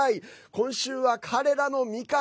今週は、彼らの味方